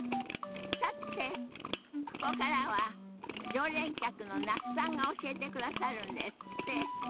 さてここからは常連客の那須さんが教えてくださるんですって。